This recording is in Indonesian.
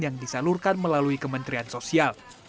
yang disalurkan melalui kementerian sosial